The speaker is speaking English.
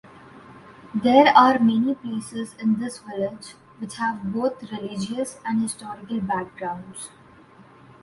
There are many places in this village which have both religious and historical backgrounds.